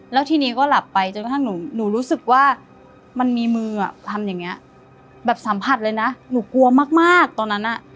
แล้วทีนี้ก็หลับไปจนกระทั่งหนูรู้สึกว่ามันมีมือทำอย่างนี้แบบสัมผัสเลยนะหนูกลัวมากตอนนั้นอ่ะ